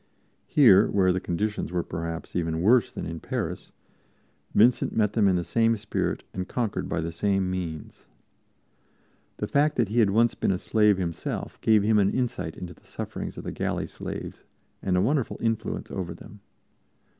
Here, where the conditions were perhaps even worse than in Paris, Vincent met them in the same spirit and conquered by the same means. The fact that he had once been a slave himself gave him an insight into the sufferings of the galley slaves and a wonderful influence over them.